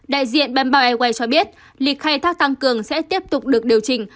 đại diện bamboeway cho biết lịch khai thác tăng cường sẽ tiếp tục được điều chỉnh